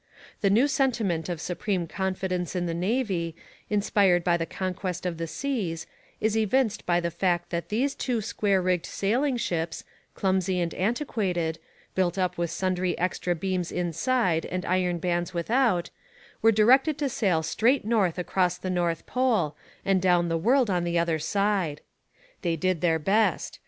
The new sentiment of supreme confidence in the navy inspired by the conquest of the seas is evinced by the fact that these two square rigged sailing ships, clumsy and antiquated, built up with sundry extra beams inside and iron bands without, were directed to sail straight north across the North Pole and down the world on the other side. They did their best.